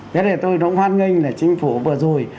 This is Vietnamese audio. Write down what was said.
thế này tôi cũng hoan nghênh là chính phủ vừa rồi